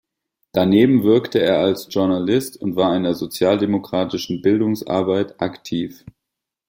Daneben wirkte er als Journalist und war in der sozialdemokratischen Bildungsarbeit aktiv.